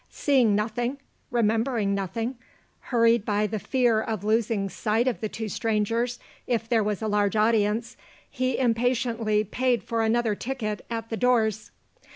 Seeing nothing, remembering nothing hurried by the fear of losing sight of the two strangers if there was a large audience he impatiently paid for another ticket, at the doors.